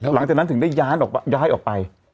หลังจากนั้นถึงได้ย้ายออกไป